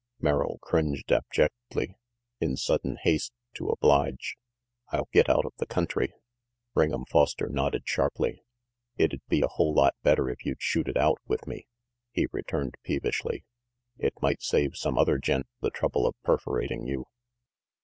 Merrill cringed abjectly, in sudden haste to oblige. "I'll get out of the country." Ring'em Foster nodded sharply. "It'd be a whole lot better if you'd shoot it out with me," he returned peevishly. "It might save some other gent the trouble of perforating you.